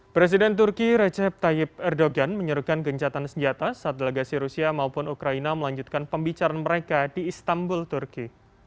presiden turki recep tayyip erdogan menyerukan gencatan senjata saat delegasi rusia maupun ukraina melanjutkan pembicaraan mereka di istanbul turki